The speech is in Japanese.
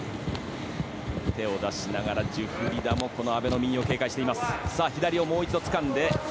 手を出しながら、ジュフリダも阿部の右を警戒しています。